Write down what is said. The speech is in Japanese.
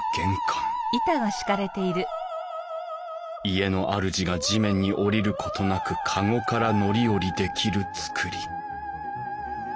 家のあるじが地面に降りることなく籠から乗り降りできる造り。